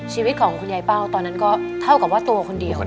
ชีวิตของคุณยายเป้าตอนนั้นก็เท่ากับว่าตัวคนเดียว